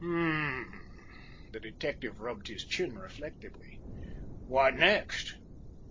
"Humph!" The detective rubbed his chin reflectively. "What next?"